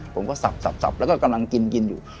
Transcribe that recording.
ผมก็สับสับสับแล้วก็กำลังกินอยู่